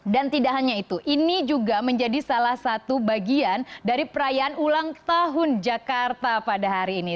tidak hanya itu ini juga menjadi salah satu bagian dari perayaan ulang tahun jakarta pada hari ini